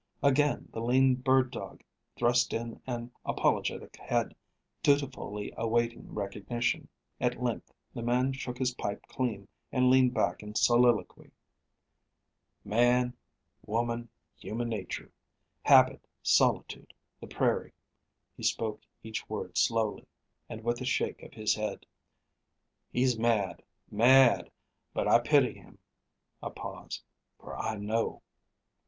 Again the lean bird dog thrust in an apologetic head, dutifully awaiting recognition. At length the man shook his pipe clean, and leaned back in soliloquy. "Man, woman, human nature; habit, solitude, the prairie." He spoke each word slowly, and with a shake of his head. "He's mad, mad; but I pity him" a pause "for I know."